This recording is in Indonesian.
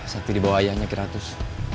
sakti dibawa ayahnya kiratus